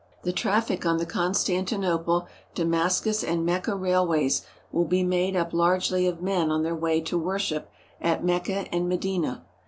The traffic on the Constantinople Damascus and Mecca railways will be made up largely of men on their way to worship at Mecca and Medina.